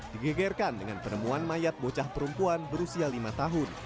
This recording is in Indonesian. digegerkan dengan penemuan mayat bocah perempuan berusia lima tahun